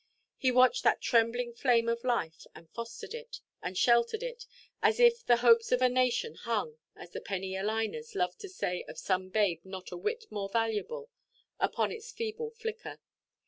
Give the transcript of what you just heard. He watched that trembling flame of life, and fostered it, and sheltered it, as if "the hopes of a nation hung"—as the penny–a–liners love to say of some babe not a whit more valuable—upon its feeble flicker.